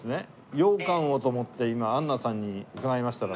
羊羹をと思って今アンナさんに伺いましたら。